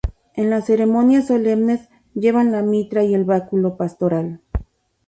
En las ceremonias solemnes, llevan la mitra y el báculo pastoral.